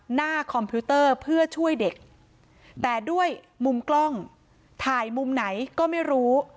คอมพิวเตอร์เพื่อช่วยเด็กแต่ด้วยมุมกล้องถ่ายมุมไหนก็ไม่รู้